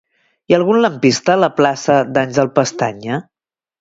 Hi ha algun lampista a la plaça d'Àngel Pestaña?